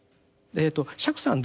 えと釈さん